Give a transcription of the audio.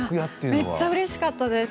めっちゃうれしかったです。